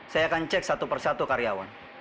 saya akan cek satu persatu karyawan